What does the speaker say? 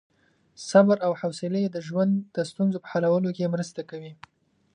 صبر او حوصلې د ژوند د ستونزو په حلولو کې مرسته کوي.